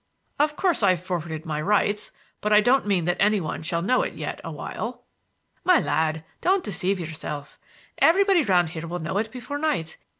"Of course I've forfeited my rights. But I don't mean that any one shall know it yet a while." "My lad, don't deceive yourself. Everybody round here will know it before night.